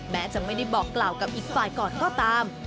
แม้จะไม่ได้บอกกล่าวกับอีกฝ่ายก่อนก็ตาม